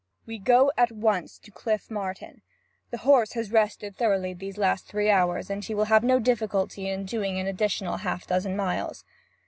'We go at once to Cliff Martin. The horse has rested thoroughly these last three hours, and he will have no difficulty in doing an additional half dozen miles.